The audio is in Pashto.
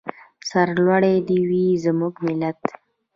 سرلوړی دې وي زموږ ملت.